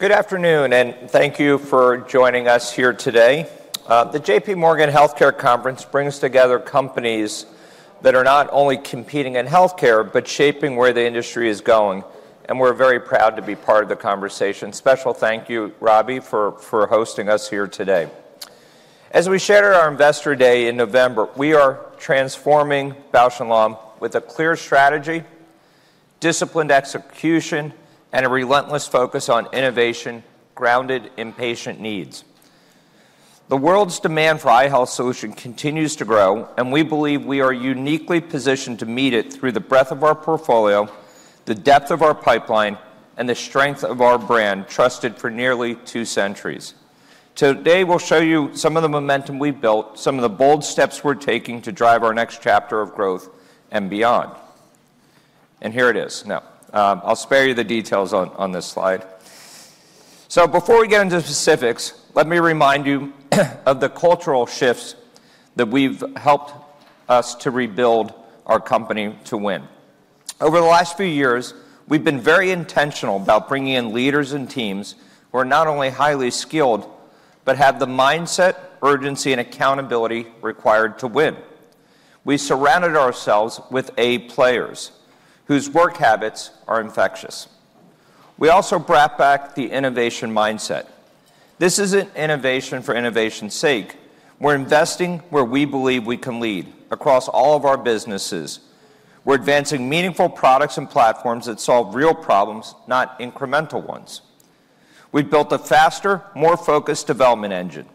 Good afternoon, and thank you for joining us here today. The J.P. Morgan Healthcare Conference brings together companies that are not only competing in healthcare but shaping where the industry is going, and we're very proud to be part of the conversation. Special thank you, Robbie, for hosting us here today. As we shared at our Investor Day in November, we are transforming Bausch + Lomb with a clear strategy, disciplined execution, and a relentless focus on innovation grounded in patient needs. The world's demand for eye health solutions continues to grow, and we believe we are uniquely positioned to meet it through the breadth of our portfolio, the depth of our pipeline, and the strength of our brand trusted for nearly two centuries. Today, we'll show you some of the momentum we've built, some of the bold steps we're taking to drive our next chapter of growth and beyond. Here it is now. I'll spare you the details on this slide. Before we get into specifics, let me remind you of the cultural shifts that we've helped us to rebuild our company to win. Over the last few years, we've been very intentional about bringing in leaders and teams who are not only highly skilled but have the mindset, urgency, and accountability required to win. We surrounded ourselves with A players whose work habits are infectious. We also brought back the innovation mindset. This isn't innovation for innovation's sake. We're investing where we believe we can lead across all of our businesses. We're advancing meaningful products and platforms that solve real problems, not incremental ones. We've built a faster, more focused development engine.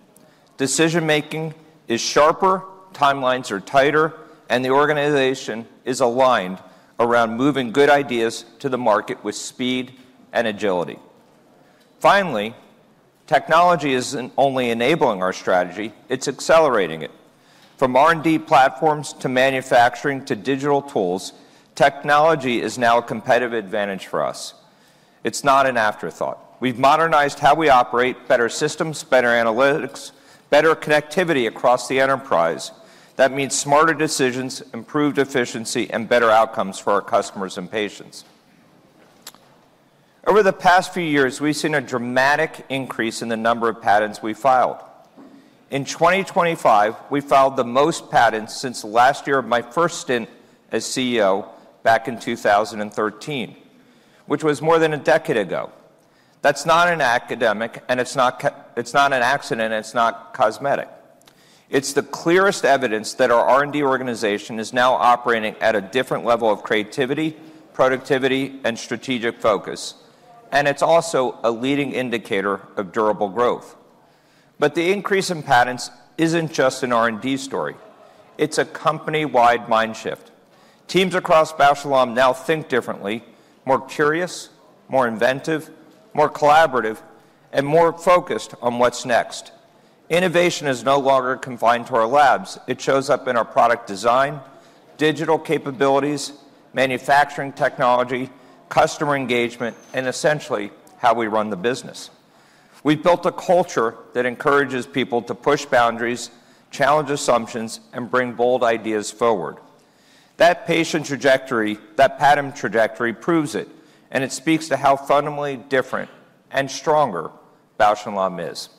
Decision-making is sharper, timelines are tighter, and the organization is aligned around moving good ideas to the market with speed and agility. Finally, technology isn't only enabling our strategy. It's accelerating it. From R&D platforms to manufacturing to digital tools, technology is now a competitive advantage for us. It's not an afterthought. We've modernized how we operate: better systems, better analytics, better connectivity across the enterprise. That means smarter decisions, improved efficiency, and better outcomes for our customers and patients. Over the past few years, we've seen a dramatic increase in the number of patents we filed. In 2025, we filed the most patents since last year of my first stint as CEO back in 2013, which was more than a decade ago. That's not an academic, and it's not an accident, and it's not cosmetic. It's the clearest evidence that our R&D organization is now operating at a different level of creativity, productivity, and strategic focus, and it's also a leading indicator of durable growth. But the increase in patents isn't just an R&D story. It's a company-wide mind shift. Teams across Bausch + Lomb now think differently: more curious, more inventive, more collaborative, and more focused on what's next. Innovation is no longer confined to our labs. It shows up in our product design, digital capabilities, manufacturing technology, customer engagement, and essentially how we run the business. We've built a culture that encourages people to push boundaries, challenge assumptions, and bring bold ideas forward. That patent trajectory, that patent trajectory proves it, and it speaks to how fundamentally different and stronger Bausch + Lomb is.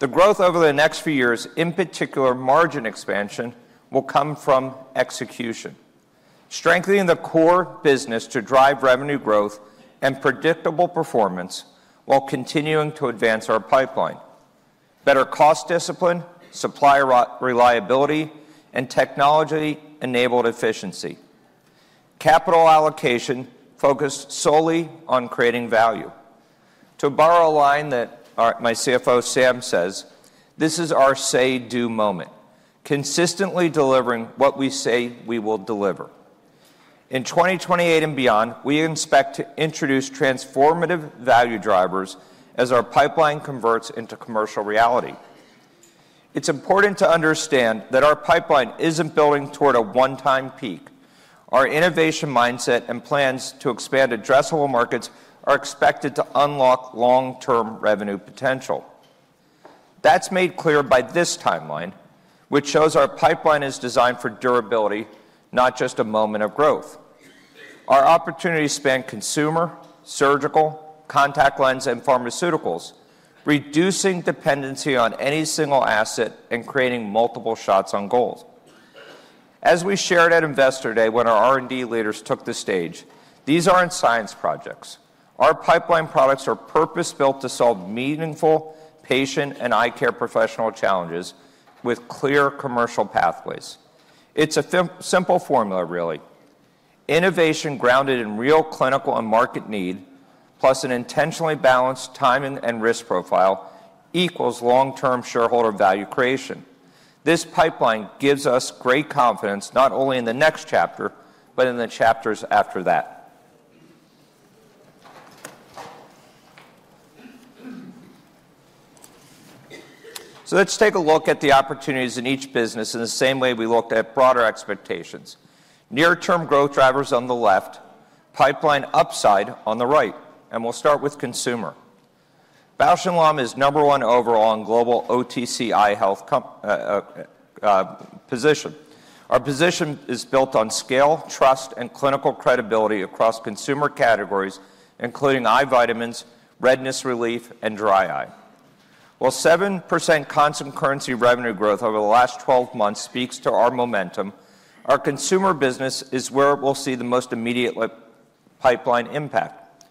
The growth over the next few years, in particular margin expansion, will come from execution: strengthening the core business to drive revenue growth and predictable performance while continuing to advance our pipeline. Better cost discipline, supply reliability, and technology-enabled efficiency. Capital allocation focused solely on creating value. To borrow a line that my CFO, Sam, says, "This is our say-do moment, consistently delivering what we say we will deliver." In 2028 and beyond, we expect to introduce transformative value drivers as our pipeline converts into commercial reality. It's important to understand that our pipeline isn't building toward a one-time peak. Our innovation mindset and plans to expand addressable markets are expected to unlock long-term revenue potential. That's made clear by this timeline, which shows our pipeline is designed for durability, not just a moment of growth. Our opportunity spans consumer, surgical, contact lens, and pharmaceuticals, reducing dependency on any single asset and creating multiple shots on goals. As we shared at Investor Day when our R&D leaders took the stage, these aren't science projects. Our pipeline products are purpose-built to solve meaningful patient and eye care professional challenges with clear commercial pathways. It's a simple formula, really. Innovation grounded in real clinical and market need, plus an intentionally balanced time and risk profile, equals long-term shareholder value creation. This pipeline gives us great confidence not only in the next chapter but in the chapters after that. So let's take a look at the opportunities in each business in the same way we looked at broader expectations. Near-term growth drivers on the left, pipeline upside on the right, and we'll start with consumer. Bausch + Lomb is number one overall in global OTC eye health position. Our position is built on scale, trust, and clinical credibility across consumer categories, including eye vitamins, redness relief, and dry eye. While 7% constant currency revenue growth over the last 12 months speaks to our momentum, our consumer business is where we'll see the most immediate pipeline impact.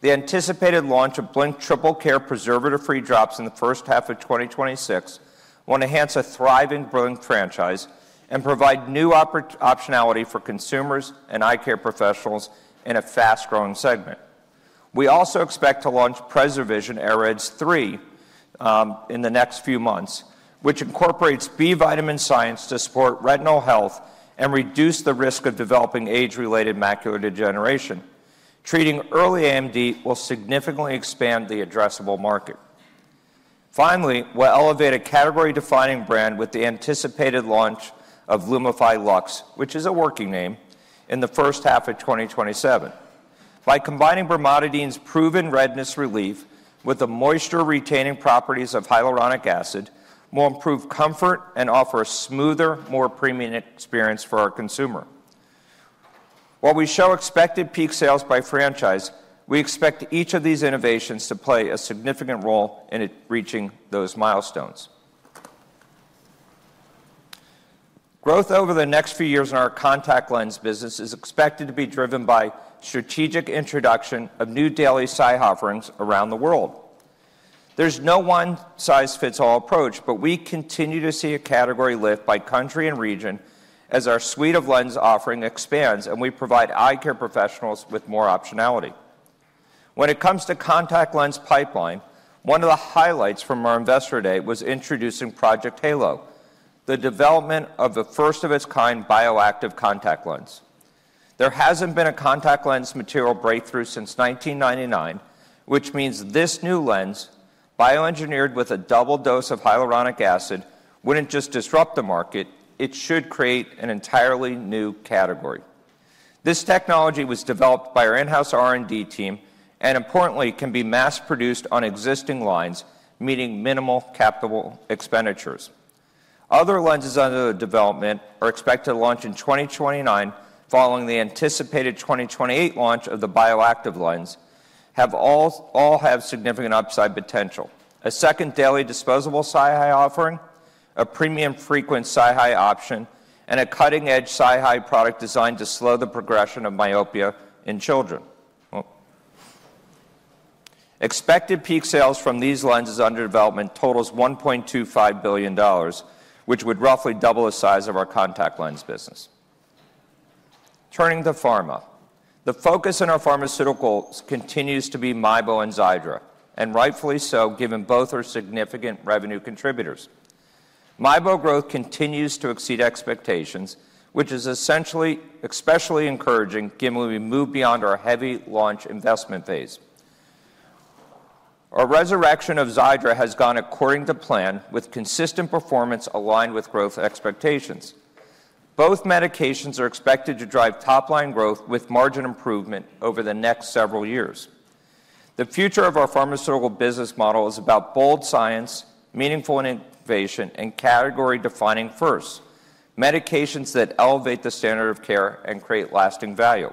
The anticipated launch of Blink Triple Care preservative-free drops in the first half of 2026 will enhance a thriving, growing franchise and provide new optionality for consumers and eye care professionals in a fast-growing segment. We also expect to launch PreserVision AREDS 3 in the next few months, which incorporates B vitamin science to support retinal health and reduce the risk of developing age-related macular degeneration. Treating early AMD will significantly expand the addressable market. Finally, we'll elevate a category-defining brand with the anticipated launch of LUMIFY Lux, which is a working name, in the first half of 2027. By combining brimonidine's proven redness relief with the moisture-retaining properties of hyaluronic acid, we'll improve comfort and offer a smoother, more premium experience for our consumer. While we show expected peak sales by franchise, we expect each of these innovations to play a significant role in reaching those milestones. Growth over the next few years in our contact lens business is expected to be driven by strategic introduction of new daily eye offerings around the world. There's no one-size-fits-all approach, but we continue to see a category lift by country and region as our suite of lens offerings expands and we provide eye care professionals with more optionality. When it comes to contact lens pipeline, one of the highlights from our Investor Day was introducing Project Halo, the development of the first-of-its-kind bioactive contact lens. There hasn't been a contact lens material breakthrough since 1999, which means this new lens, bioengineered with a double dose of hyaluronic acid, wouldn't just disrupt the market. It should create an entirely new category. This technology was developed by our in-house R&D team and, importantly, can be mass-produced on existing lines, meaning minimal capital expenditures. Other lenses under development are expected to launch in 2029, following the anticipated 2028 launch of the bioactive lens, all have significant upside potential: a second daily disposable SiHy offering, a premium frequent SiHy option, and a cutting-edge SiHy product designed to slow the progression of myopia in children. Expected peak sales from these lenses under development totals $1.25 billion, which would roughly double the size of our contact lens business. Turning to pharma, the focus in our pharmaceuticals continues to be MIEBO and Xiidra, and rightfully so, given both are significant revenue contributors. MIEBO growth continues to exceed expectations, which is especially encouraging given we moved beyond our heavy launch investment Phase. Our resurrection of Xiidra has gone according to plan, with consistent performance aligned with growth expectations. Both medications are expected to drive top-line growth with margin improvement over the next several years. The future of our pharmaceutical business model is about bold science, meaningful innovation, and category-defining firsts: medications that elevate the standard of care and create lasting value.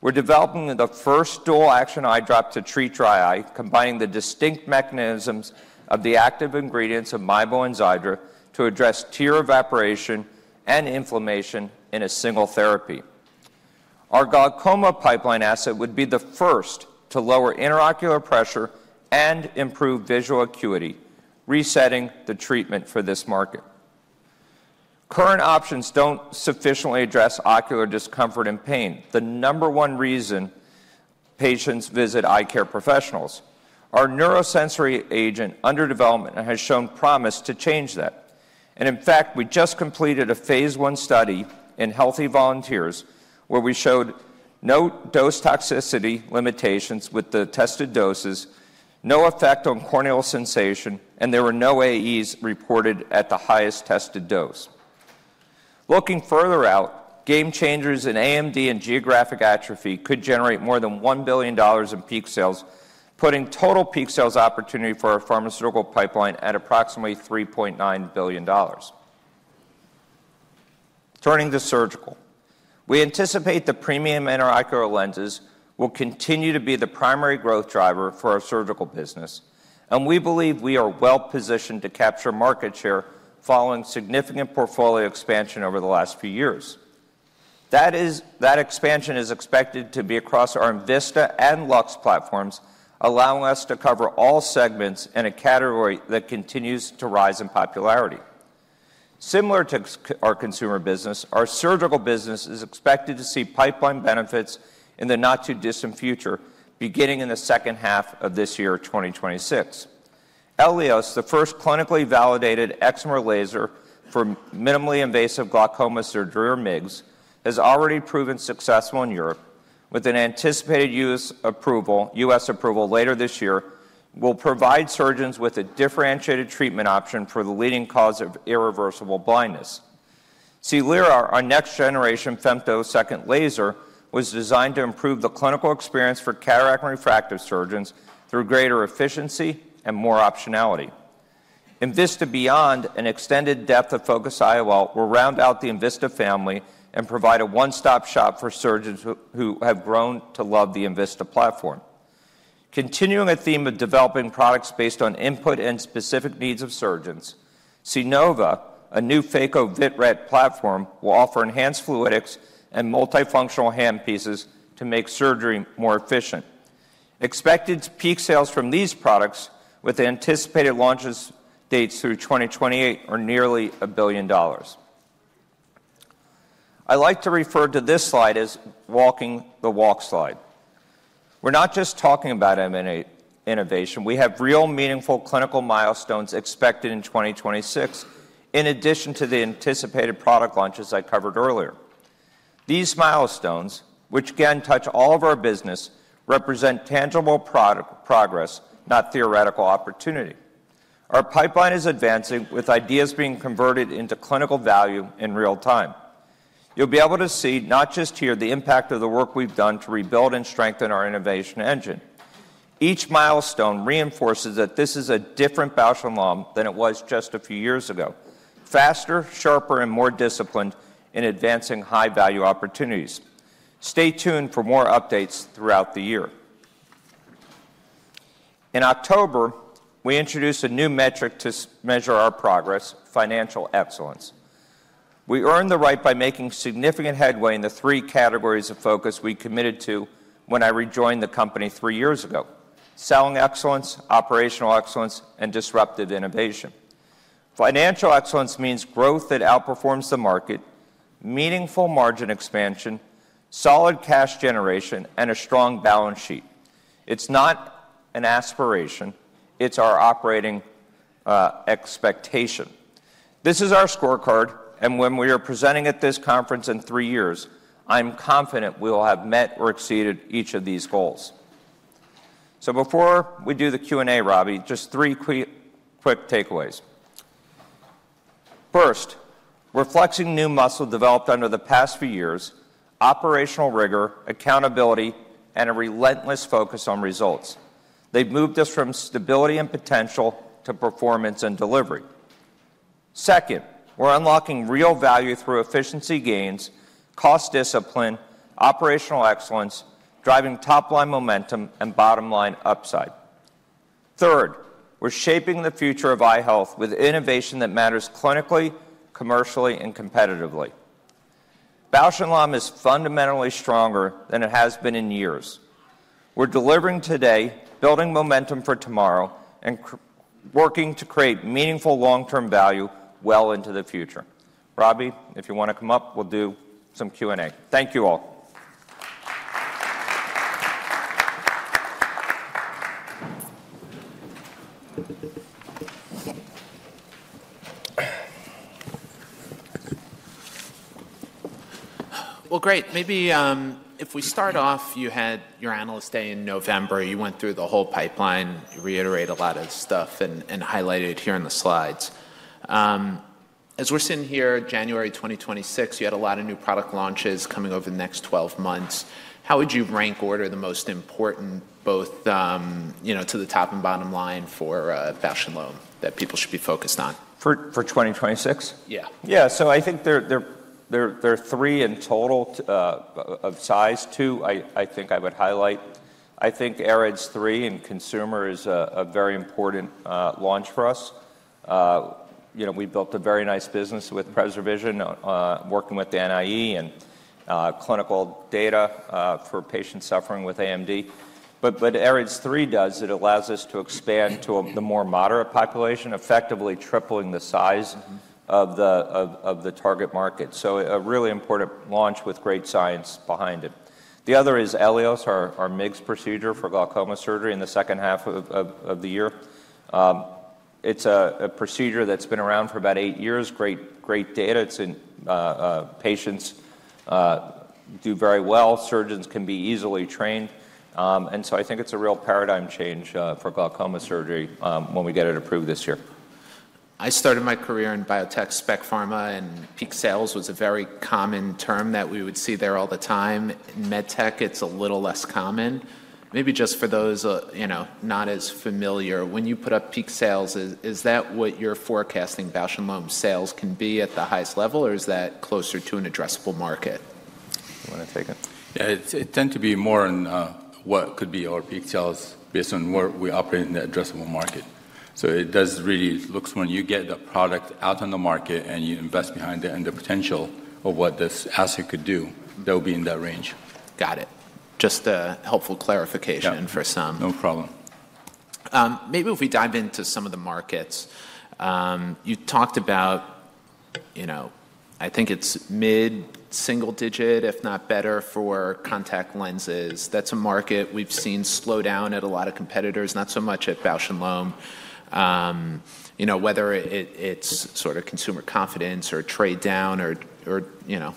We're developing the first dual-action eye drop to treat dry eye, combining the distinct mechanisms of the active ingredients of MIEBO and Xiidra to address tear evaporation and inflammation in a single therapy. Our glaucoma pipeline asset would be the first to lower intraocular pressure and improve visual acuity, resetting the treatment for this market. Current options don't sufficiently address ocular discomfort and pain, the number one reason patients visit eye care professionals. Our neurosensory agent under development has shown promise to change that. In fact, we just completed a Phase 1 study in healthy volunteers where we showed no dose toxicity limitations with the tested doses, no effect on corneal sensation, and there were no AEs reported at the highest tested dose. Looking further out, game changers in AMD and geographic atrophy could generate more than $1 billion in peak sales, putting total peak sales opportunity for our pharmaceutical pipeline at approximately $3.9 billion. Turning to surgical, we anticipate the premium in our ocular lenses will continue to be the primary growth driver for our surgical business, and we believe we are well-positioned to capture market share following significant portfolio expansion over the last few years. That expansion is expected to be across our enVista and Lux platforms, allowing us to cover all segments in a category that continues to rise in popularity. Similar to our consumer business, our surgical business is expected to see pipeline benefits in the not-too-distant future, beginning in the second half of this year, 2026. Elios, the first clinically validated excimer laser for minimally invasive glaucoma surgery or MIGS, has already proven successful in Europe, with an anticipated U.S. approval later this year. We'll provide surgeons with a differentiated treatment option for the leading cause of irreversible blindness. Solera, our next-generation femtosecond laser, was designed to improve the clinical experience for cataract and refractive surgeons through greater efficiency and more optionality. enVista Beyond and extended depth of focus IOL will round out the enVista family and provide a one-stop shop for surgeons who have grown to love the enVista platform. Continuing a theme of developing products based on input and specific needs of surgeons, Cynova, a new phaco/vitrectomy platform, will offer enhanced fluidics and multifunctional handpieces to make surgery more efficient. Expected peak sales from these products, with anticipated launch dates through 2028, are nearly $1 billion. I like to refer to this slide as walking the walk slide. We're not just talking about M&A innovation. We have real meaningful clinical milestones expected in 2026, in addition to the anticipated product launches I covered earlier. These milestones, which again touch all of our business, represent tangible progress, not theoretical opportunity. Our pipeline is advancing, with ideas being converted into clinical value in real time. You'll be able to see, not just here, the impact of the work we've done to rebuild and strengthen our innovation engine. Each milestone reinforces that this is a different Bausch + Lomb than it was just a few years ago: faster, sharper, and more disciplined in advancing high-value opportunities. Stay tuned for more updates throughout the year. In October, we introduced a new metric to measure our progress: financial excellence. We earned the right by making significant headway in the three categories of focus we committed to when I rejoined the company three years ago: selling excellence, operational excellence, and disruptive innovation. Financial excellence means growth that outperforms the market, meaningful margin expansion, solid cash generation, and a strong balance sheet. It's not an aspiration. It's our operating expectation. This is our scorecard, and when we are presenting at this conference in three years, I'm confident we will have met or exceeded each of these goals. So before we do the Q&A, Robbie, just three quick takeaways. First, we're flexing new muscle developed under the past few years: operational rigor, accountability, and a relentless focus on results. They've moved us from stability and potential to performance and delivery. Second, we're unlocking real value through efficiency gains, cost discipline, operational excellence, driving top-line momentum and bottom-line upside. Third, we're shaping the future of eye health with innovation that matters clinically, commercially, and competitively. Bausch + Lomb is fundamentally stronger than it has been in years. We're delivering today, building momentum for tomorrow, and working to create meaningful long-term value well into the future. Robbie, if you want to come up, we'll do some Q&A. Thank you all. Well, great. Maybe if we start off, you had your analyst day in November. You went through the whole pipeline. You reiterated a lot of stuff and highlighted it here in the slides. As we're sitting here, January 2026, you had a lot of new product launches coming over the next 12 months. How would you rank order the most important, both to the top and bottom line for Bausch + Lomb that people should be focused on? For 2026? Yeah. Yeah. So I think there are three in total of size. Two, I think I would highlight. I think AREDS 3 and consumer is a very important launch for us. We built a very nice business with PreserVision, working with the NEI and clinical data for patients suffering with AMD. But AREDS 3 does. It allows us to expand to the more moderate population, effectively tripling the size of the target market. So a really important launch with great science behind it. The other is Elios, our MIGS procedure for glaucoma surgery in the second half of the year. It's a procedure that's been around for about eight years. Great data. Patients do very well. Surgeons can be easily trained. And so I think it's a real paradigm change for glaucoma surgery when we get it approved this year. I started my career in biotech spec pharma, and peak sales was a very common term that we would see there all the time. In med tech, it's a little less common. Maybe just for those not as familiar, when you put up peak sales, is that what you're forecasting Bausch + Lomb sales can be at the highest level, or is that closer to an addressable market? You want to take it? Yeah. It tends to be more on what could be our peak sales based on where we operate in the addressable market. So it does really look when you get the product out on the market and you invest behind it and the potential of what this asset could do, that'll be in that range. Got it. Just a helpful clarification for some. Yeah. No problem. Maybe if we dive into some of the markets, you talked about, I think it's mid-single digit, if not better, for contact lenses. That's a market we've seen slow down at a lot of competitors, not so much at Bausch + Lomb, whether it's sort of consumer confidence or trade down, or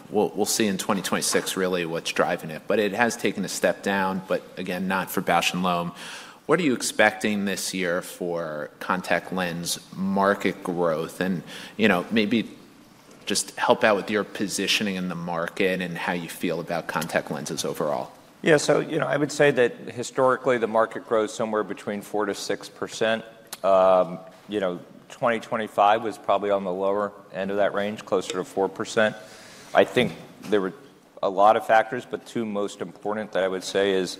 we'll see in 2026 really what's driving it. But it has taken a step down, but again, not for Bausch + Lomb. What are you expecting this year for contact lens market growth? And maybe just help out with your positioning in the market and how you feel about contact lenses overall. Yeah. I would say that historically, the market grows somewhere between 4%-6%. 2025 was probably on the lower end of that range, closer to 4%. I think there were a lot of factors, but two most important that I would say is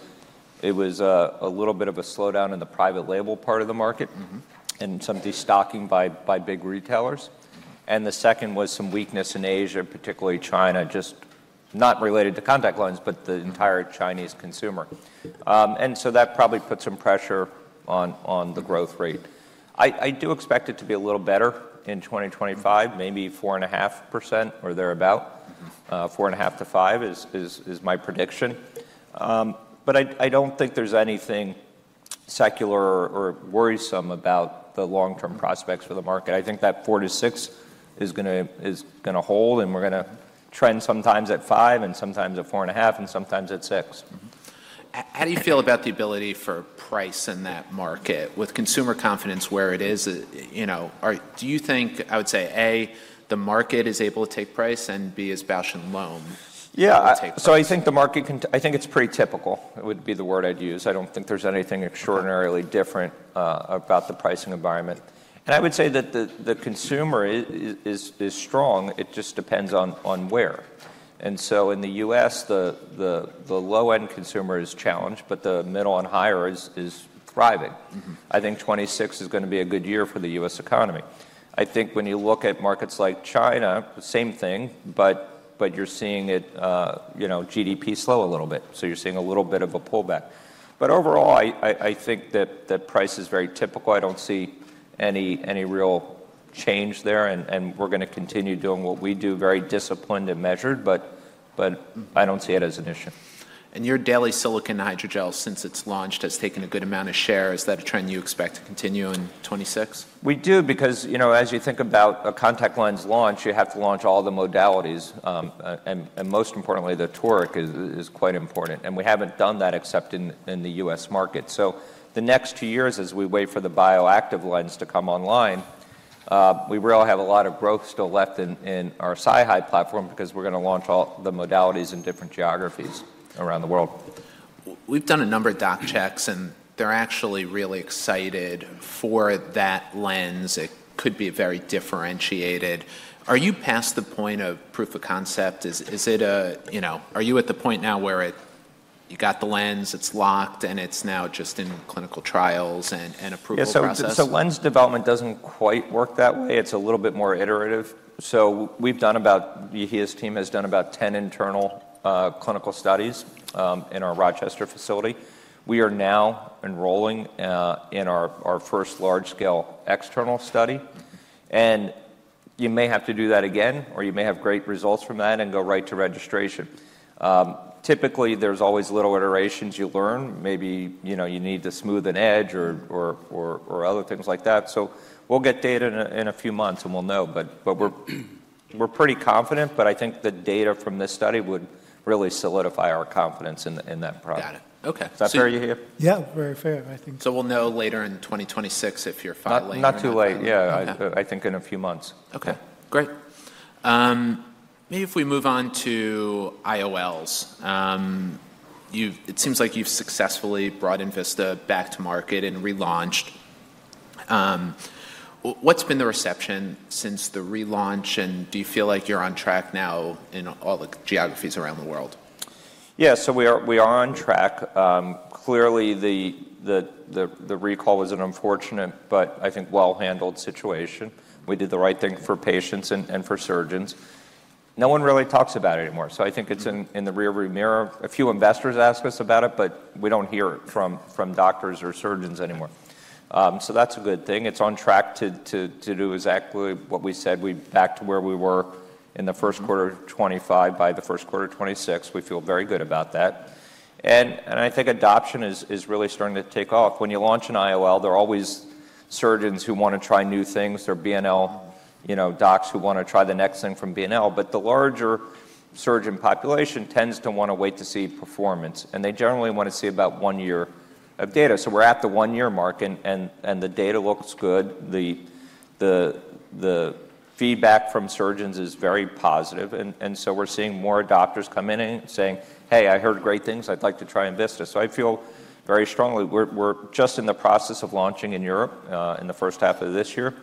it was a little bit of a slowdown in the private label part of the market and some destocking by big retailers. And the second was some weakness in Asia, particularly China, just not related to contact lenses, but the entire Chinese consumer. And so that probably put some pressure on the growth rate. I do expect it to be a little better in 2025, maybe 4.5% or thereabout, 4.5%-5% is my prediction. But I don't think there's anything secular or worrisome about the long-term prospects for the market. I think that 4% to 6% is going to hold, and we're going to trend sometimes at 5% and sometimes at 4.5% and sometimes at 6%. How do you feel about the ability for price in that market with consumer confidence where it is? Do you think, I would say, A, the market is able to take price, and B, is Bausch + Lomb able to take price? Yeah. So I think the market, I think it's pretty typical. It would be the word I'd use. I don't think there's anything extraordinarily different about the pricing environment, and I would say that the consumer is strong. It just depends on where, and so in the U.S., the low-end consumer is challenged, but the middle and higher is thriving. I think 2026 is going to be a good year for the U.S. economy. I think when you look at markets like China, same thing, but you're seeing GDP slow a little bit. So you're seeing a little bit of a pullback. But overall, I think that price is very typical. I don't see any real change there, and we're going to continue doing what we do, very disciplined and measured, but I don't see it as an issue. And your daily silicone hydrogel, since it's launched, has taken a good amount of share. Is that a trend you expect to continue in 2026? We do, because as you think about a contact lens launch, you have to launch all the modalities, and most importantly, the toric is quite important. And we haven't done that except in the U.S. market. So the next two years, as we wait for the bioactive lens to come online, we really have a lot of growth still left in our SiHy platform because we're going to launch all the modalities in different geographies around the world. We've done a number of doc checks, and they're actually really excited for that lens. It could be very differentiated. Are you past the point of proof of concept? Are you at the point now where you got the lens, it's locked, and it's now just in clinical trials and approval processes? Yeah. So lens development doesn't quite work that way. It's a little bit more iterative. So Yehia's team has done about 10 internal clinical studies in our Rochester facility. We are now enrolling in our first large-scale external study. And you may have to do that again, or you may have great results from that and go right to registration. Typically, there's always little iterations you learn. Maybe you need to smooth an edge or other things like that. So we'll get data in a few months, and we'll know. But we're pretty confident, but I think the data from this study would really solidify our confidence in that product. Got it. Okay. Is that fair, Yehia? Yeah. Very fair, I think. So we'll know later in 2026 if you're filing? Not too late. Yeah. I think in a few months. Okay. Great. Maybe if we move on to IOLs. It seems like you've successfully brought enVista back to market and relaunched. What's been the reception since the relaunch? And do you feel like you're on track now in all the geographies around the world? Yeah. So we are on track. Clearly, the recall was an unfortunate, but I think well-handled situation. We did the right thing for patients and for surgeons. No one really talks about it anymore. So I think it's in the rearview mirror. A few investors ask us about it, but we don't hear from doctors or surgeons anymore. So that's a good thing. It's on track to do exactly what we said. We're back to where we were in the first quarter of 2025 by the first quarter of 2026. We feel very good about that. And I think adoption is really starting to take off. When you launch an IOL, there are always surgeons who want to try new things. There are BNL docs who want to try the next thing from BNL. But the larger surgeon population tends to want to wait to see performance. And they generally want to see about one year of data. So we're at the one-year mark, and the data looks good. The feedback from surgeons is very positive. And so we're seeing more adopters come in and saying, "Hey, I heard great things. I'd like to try enVista." So I feel very strongly we're just in the process of launching in Europe in the first half of this year.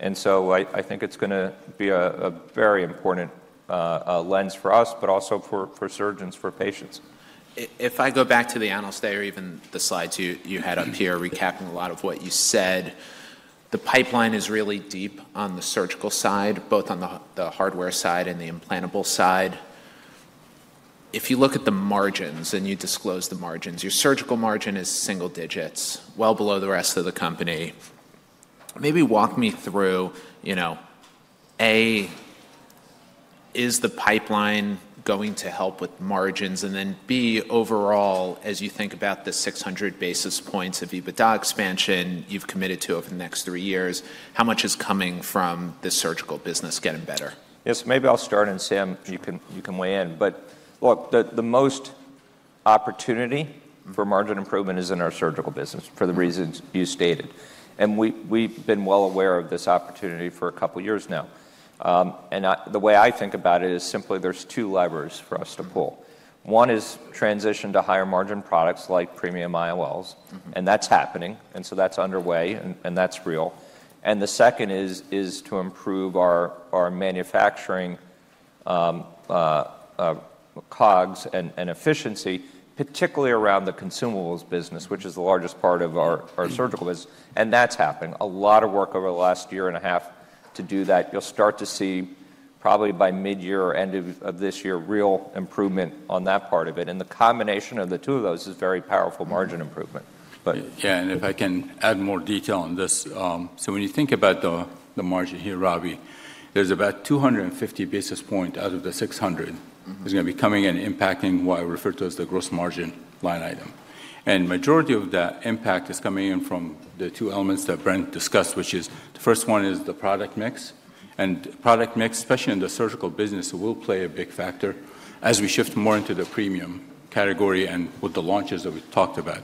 And so I think it's going to be a very important lens for us, but also for surgeons, for patients. If I go back to the analyst data or even the slides you had up here recapping a lot of what you said, the pipeline is really deep on the surgical side, both on the hardware side and the implantable side. If you look at the margins and you disclose the margins, your surgical margin is single digits, well below the rest of the company. Maybe walk me through. A, is the pipeline going to help with margins? And then B, overall, as you think about the 600 basis points of EBITDA expansion you've committed to over the next three years, how much is coming from the surgical business getting better? Yes. Maybe I'll start and Sam, you can weigh in. But look, the most opportunity for margin improvement is in our surgical business for the reasons you stated. We've been well aware of this opportunity for a couple of years now. The way I think about it is simply there's two levers for us to pull. One is transition to higher margin products like premium IOLs, and that's happening. So that's underway, and that's real. And the second is to improve our manufacturing COGS and efficiency, particularly around the consumables business, which is the largest part of our surgical business. And that's happening. A lot of work over the last year and a half to do that. You'll start to see probably by mid-year or end of this year real improvement on that part of it. And the combination of the two of those is very powerful margin improvement. Yeah. And if I can add more detail on this. So when you think about the margin here, Robbie, there's about 250 basis points out of the 600 that's going to be coming and impacting what I refer to as the gross margin line item. And majority of that impact is coming in from the two elements that Brent discussed, which is the first one is the product mix. And product mix, especially in the surgical business, will play a big factor as we shift more into the premium category and with the launches that we talked about.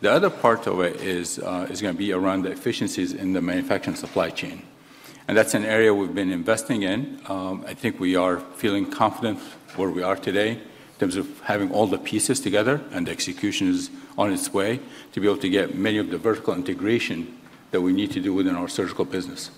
The other part of it is going to be around the efficiencies in the manufacturing supply chain. And that's an area we've been investing in. I think we are feeling confident where we are today in terms of having all the pieces together, and the execution is on its way to be able to get many of the vertical integration that we need to do within our surgical business.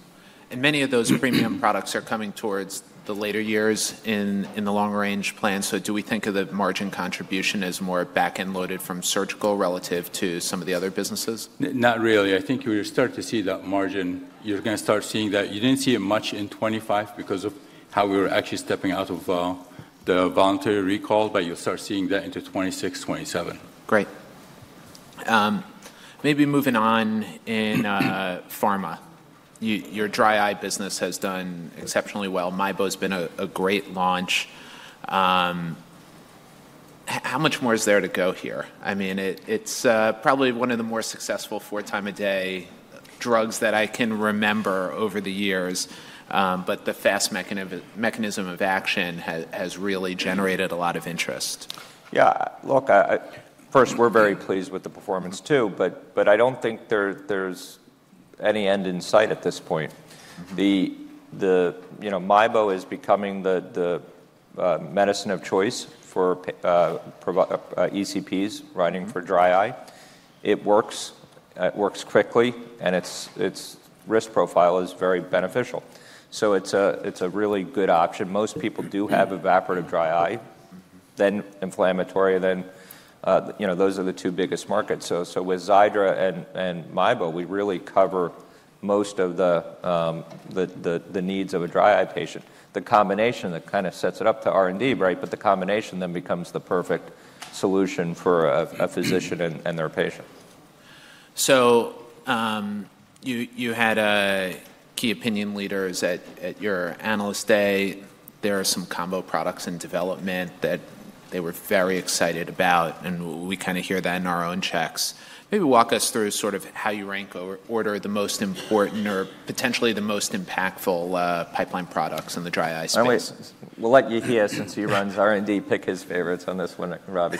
And many of those premium products are coming towards the later years in the long-range plan. So do we think of the margin contribution as more back-end loaded from surgical relative to some of the other businesses? Not really. I think you're going to start to see that margin. You're going to start seeing that. You didn't see it much in 2025 because of how we were actually stepping out of the voluntary recall, but you'll start seeing that into 2026, 2027. Great. Maybe moving on in pharma. Your dry eye business has done exceptionally well. MIEBO has been a great launch. How much more is there to go here? I mean, it's probably one of the more successful four-time-a-day drugs that I can remember over the years, but the fast mechanism of action has really generated a lot of interest. Yeah. Look, first, we're very pleased with the performance too, but I don't think there's any end in sight at this point. MIEBO is becoming the medicine of choice for ECPs running for dry eye. It works. It works quickly, and its risk profile is very beneficial. So it's a really good option. Most people do have evaporative dry eye, then inflammatory. Then those are the two biggest markets. So with Xiidra and MIEBO, we really cover most of the needs of a dry eye patient. The combination that kind of sets it up to R&D, right, but the combination then becomes the perfect solution for a physician and their patient. So you had key opinion leaders at your analyst day. There are some combo products in development that they were very excited about, and we kind of hear that in our own checks. Maybe walk us through sort of how you rank order the most important or potentially the most impactful pipeline products in the dry eye space. We'll let Yehia, since he runs R&D, pick his favorites on this one, Robbie.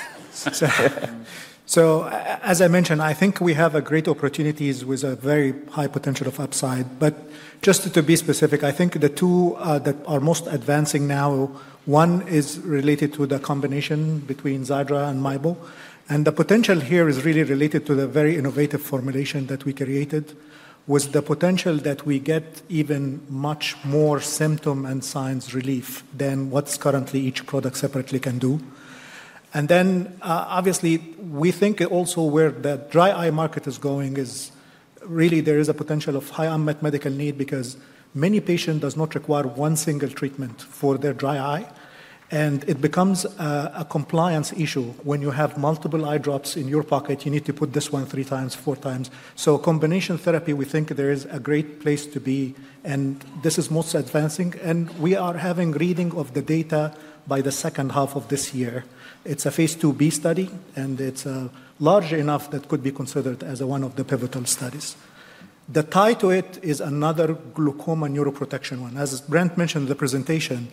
So as I mentioned, I think we have great opportunities with a very high potential of upside. But just to be specific, I think the two that are most advancing now, one is related to the combination between Xiidra and MIEBO. And the potential here is really related to the very innovative formulation that we created with the potential that we get even much more symptom and signs relief than what's currently each product separately can do. And then obviously, we think also where the dry eye market is going is really there is a potential of high unmet medical need because many patients do not require one single treatment for their dry eye. And it becomes a compliance issue when you have multiple eye drops in your pocket. You need to put this one three times, four times. So combination therapy, we think there is a great place to be. And this is most advancing. We are having readout of the data by the second half of this year. It's a Phase 2B study, and it's large enough that it could be considered as one of the pivotal studies. The tie to it is another glaucoma neuroprotection one. As Brent mentioned in the presentation,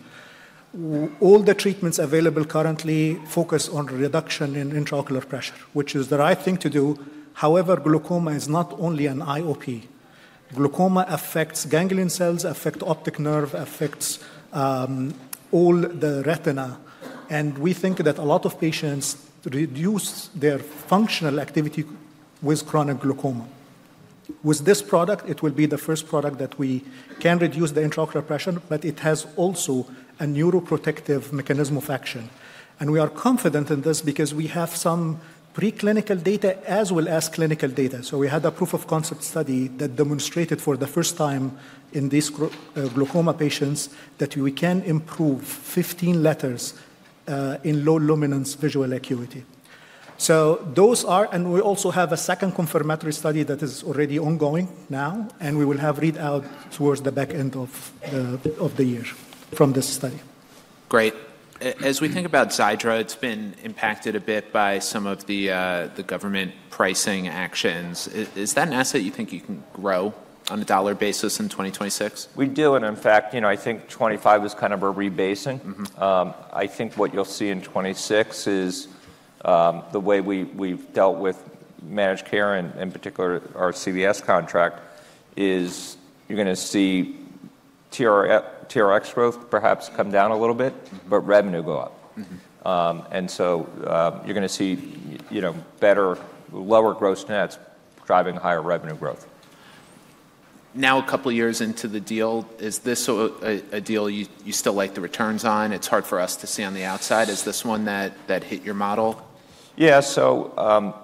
all the treatments available currently focus on reduction in intraocular pressure, which is the right thing to do. However, glaucoma is not only an IOP. Glaucoma affects ganglion cells, affects optic nerve, affects all the retina. We think that a lot of patients reduce their functional activity with chronic glaucoma. With this product, it will be the first product that we can reduce the intraocular pressure, but it has also a neuroprotective mechanism of action. We are confident in this because we have some preclinical data as well as clinical data. We had a proof of concept study that demonstrated for the first time in these glaucoma patients that we can improve 15 letters in low luminance visual acuity. Those are, and we also have a second confirmatory study that is already ongoing now, and we will have readout towards the back end of the year from this study. Great. As we think about Xiidra, it's been impacted a bit by some of the government pricing actions. Is that an asset you think you can grow on a dollar basis in 2026? We do. In fact, I think 2025 is kind of a rebasing. I think what you'll see in 2026 is the way we've dealt with managed care, in particular our CVS contract, is you're going to see TRX growth perhaps come down a little bit, but revenue go up. And so you're going to see better, lower gross-to-nets driving higher revenue growth. Now, a couple of years into the deal, is this a deal you still like the returns on? It's hard for us to see on the outside. Is this one that hit your model? Yeah. So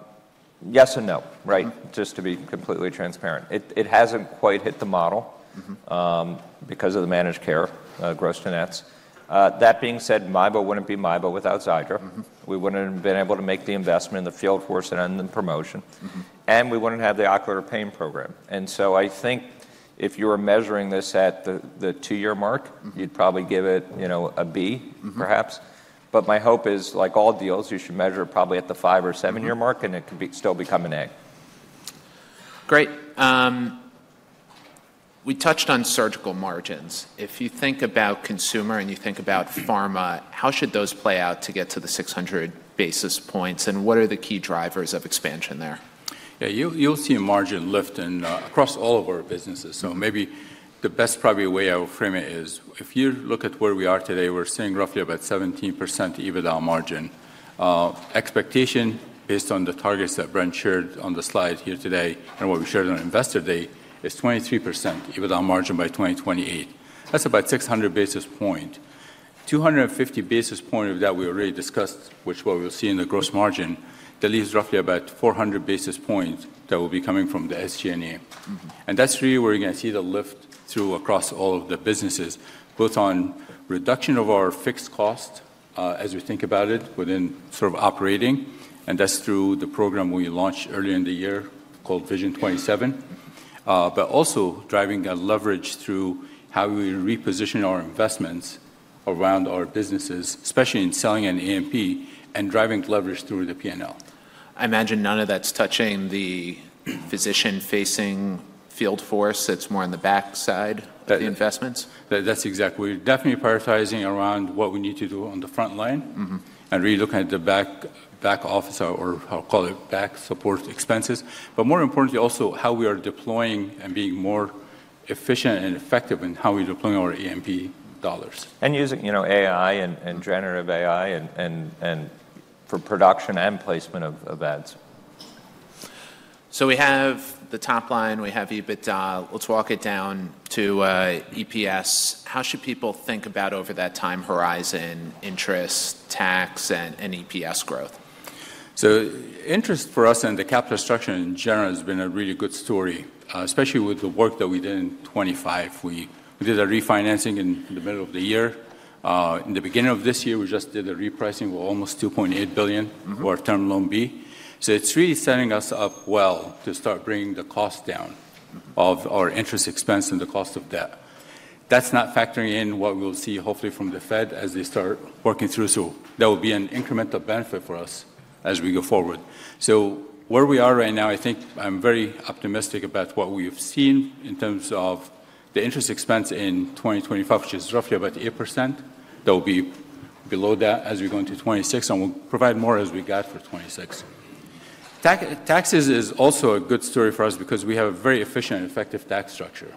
yes and no, right? Just to be completely transparent. It hasn't quite hit the model because of the managed care, gross-to-nets. That being said, MIEBO wouldn't be MIEBO without Xiidra. We wouldn't have been able to make the investment in the field force and in the promotion. And so I think if you were measuring this at the two-year mark, you'd probably give it a B, perhaps. But my hope is, like all deals, you should measure it probably at the five or seven-year mark, and it could still become an A. Great. We touched on surgical margins. If you think about consumer and you think about pharma, how should those play out to get to the 600 basis points? And what are the key drivers of expansion there? Yeah. You'll see a margin lift across all of our businesses. So maybe the best probably way I will frame it is if you look at where we are today, we're seeing roughly about 17% EBITDA margin. Expectation based on the targets that Brent shared on the slide here today and what we shared on Investor Day is 23% EBITDA margin by 2028. That's about 600 basis points. 250 basis points of that we already discussed, which is what we'll see in the gross margin. That leaves roughly about 400 basis points that will be coming from the SG&A. And that's really where you're going to see the lift through across all of the businesses, both on reduction of our fixed cost as we think about it within sort of operating. And that's through the program we launched earlier in the year called Vision '27, but also driving that leverage through how we reposition our investments around our businesses, especially in selling an AMD and driving leverage through the P&L. I imagine none of that's touching the physician-facing field force. It's more on the backside of the investments. That's exactly. We're definitely prioritizing around what we need to do on the front line and really looking at the back office or I'll call it back support expenses. But more importantly, also how we are deploying and being more efficient and effective in how we're deploying our A&P dollars. And using AI and generative AI for production and placement of ads. So we have the top line. We have EBITDA. Let's walk it down to EPS. How should people think about over that time horizon, interest, tax, and EPS growth? So interest for us and the capital structure in general has been a really good story, especially with the work that we did in 2025. We did a refinancing in the middle of the year. In the beginning of this year, we just did a repricing of almost $2.8 billion for our Term Loan B. So it's really setting us up well to start bringing the cost down of our interest expense and the cost of debt. That's not factoring in what we'll see hopefully from the Fed as they start working through. So that will be an incremental benefit for us as we go forward. So where we are right now, I think I'm very optimistic about what we have seen in terms of the interest expense in 2025, which is roughly about 8%. That will be below that as we go into 2026, and we'll provide more as we get for 2026. Taxes is also a good story for us because we have a very efficient and effective tax structure.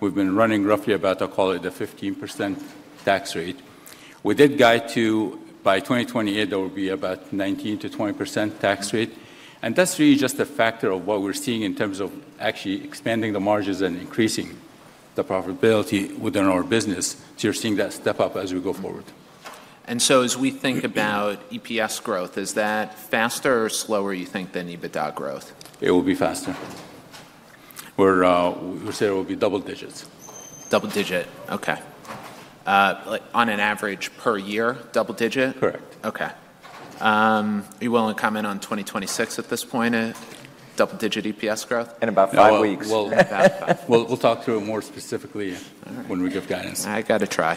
We've been running roughly about, I'll call it a 15% tax rate. We did guide to by 2028, there will be about 19%-20% tax rate. And that's really just a factor of what we're seeing in terms of actually expanding the margins and increasing the profitability within our business. So you're seeing that step up as we go forward. And so as we think about EPS growth, is that faster or slower, you think, than EBITDA growth? It will be faster. We'll say it will be double digits. Double digit. Okay. On an average per year, double digit? Correct. Okay. You won't comment on 2026 at this point, double digit EPS growth? In about five weeks. We'll talk through it more specifically when we give guidance. I got to try.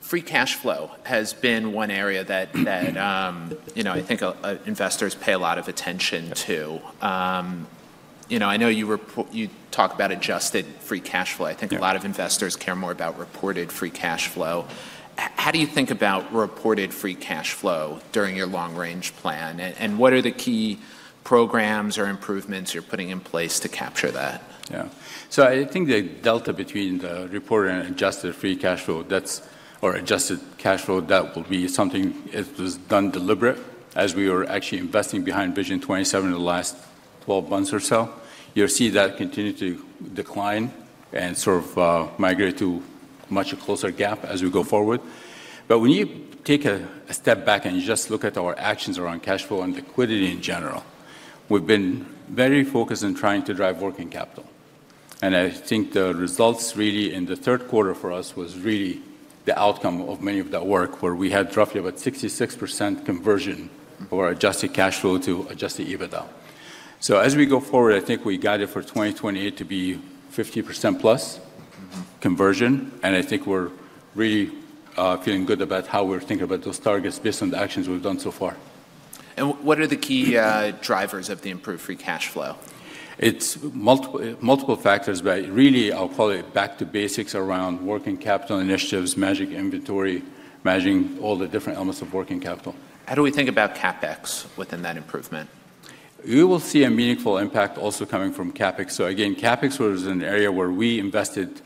Free cash flow has been one area that I think investors pay a lot of attention to. I know you talk about adjusted free cash flow. I think a lot of investors care more about reported free cash flow. How do you think about reported free cash flow during your long-range plan? And what are the key programs or improvements you're putting in place to capture that? Yeah. So I think the delta between the reported and adjusted free cash flow or adjusted cash flow, that will be something that was done deliberately as we were actually investing behind Vision '27 in the last 12 months or so. You'll see that continue to decline and sort of migrate to a much closer gap as we go forward. But when you take a step back and just look at our actions around cash flow and liquidity in general, we've been very focused on trying to drive working capital. And I think the results really in the third quarter for us was really the outcome of many of that work where we had roughly about 66% conversion of our adjusted cash flow to adjusted EBITDA. So as we go forward, I think we guided for 2028 to be 50% plus conversion. I think we're really feeling good about how we're thinking about those targets based on the actions we've done so far. What are the key drivers of the improved free cash flow? It's multiple factors, but really, I'll call it back to basics around working capital initiatives, managing inventory, managing all the different elements of working capital. How do we think about CapEx within that improvement? You will see a meaningful impact also coming from CapEx. So again, CapEx was an area where we invested,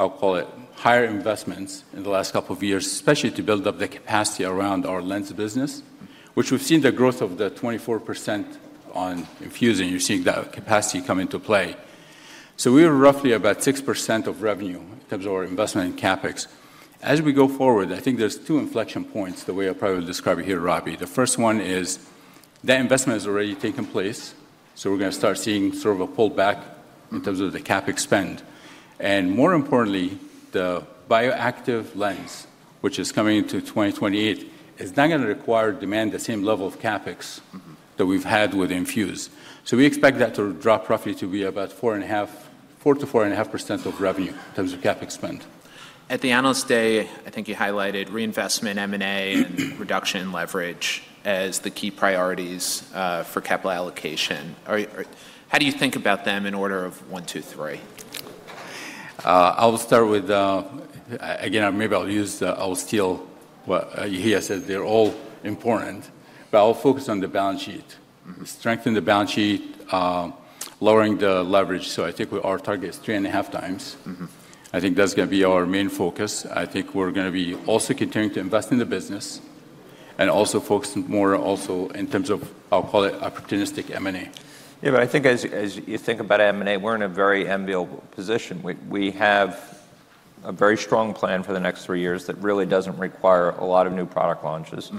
I'll call it higher investments in the last couple of years, especially to build up the capacity around our lens business, which we've seen the growth of the 24% on INFUSE. You're seeing that capacity come into play. So we were roughly about 6% of revenue in terms of our investment in CapEx. As we go forward, I think there's two inflection points the way I probably will describe it here, Robbie. The first one is that investment has already taken place. So we're going to start seeing sort of a pullback in terms of the CapEx spend. And more importantly, the bioactive lens, which is coming into 2028, is not going to require demand the same level of CapEx that we've had with INFUSE. So we expect that to drop roughly to be about 4-4.5% of revenue in terms of CapEx spend. At the analyst day, I think you highlighted reinvestment, M&A, and reduction in leverage as the key priorities for capital allocation. How do you think about them in order of one, two, three? I'll start with, again, maybe I'll use the, I'll steal what Yehia said. They're all important, but I'll focus on the balance sheet, strengthen the balance sheet, lowering the leverage. So I think our target is three and a half times. I think that's going to be our main focus. I think we're going to be also continuing to invest in the business and focus more in terms of, I'll call it, opportunistic M&A. Yeah, but I think as you think about M&A, we're in a very well-positioned. We have a very strong plan for the next three years that really doesn't require a lot of new product launches.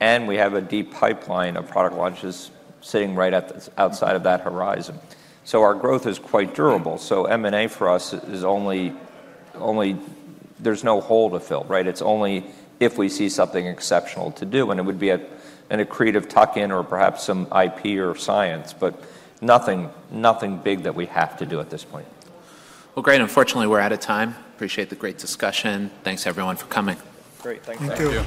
We have a deep pipeline of product launches sitting right outside of that horizon. So our growth is quite durable. So M&A for us is only; there's no hole to fill, right? It's only if we see something exceptional to do. And it would be an accretive tuck-in or perhaps some IP or science, but nothing big that we have to do at this point. Well, great. Unfortunately, we're out of time. Appreciate the great discussion. Thanks everyone for coming. Great. Thanks for having us. Thank you.